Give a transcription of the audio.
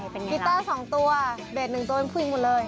พิวเตอร์สองตัวเบสหนึ่งตัวเพื่อนผู้หญิงหมดเลย